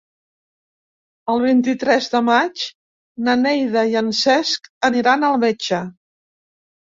El vint-i-tres de maig na Neida i en Cesc aniran al metge.